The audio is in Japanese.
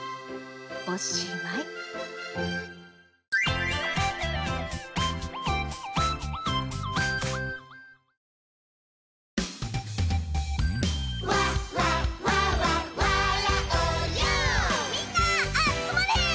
おしまいみんな集まれ！